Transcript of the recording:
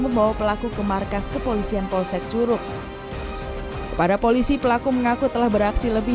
membawa pelaku ke markas kepolisian polsek curug kepada polisi pelaku mengaku telah beraksi lebih